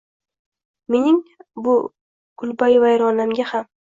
Mening shu kulbayi vayronamga ham.